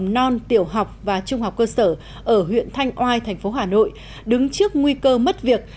mầm non tiểu học và trung học cơ sở ở huyện thanh oai thành phố hà nội đứng trước nguy cơ mất việc